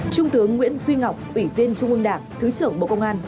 trung tướng nguyễn duy ngọc ủy viên trung ương đảng thứ trưởng bộ công an